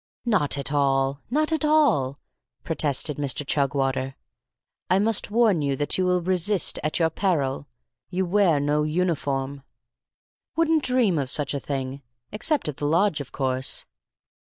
"Not at all, not at all," protested Mr. Chugwater. "I must warn you that you will resist at your peril. You wear no uniform " "Wouldn't dream of such a thing. Except at the lodge, of course."